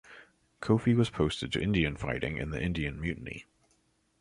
Coffey was posted to Indian fighting in the Indian Mutiny.